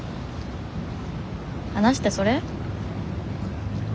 話ってそれ？